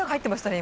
今。